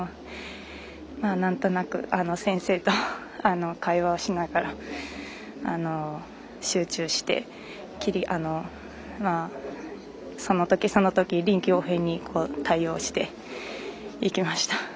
なんとなく先生と会話をしながら集中して、そのとき、そのとき臨機応変に対応していきました。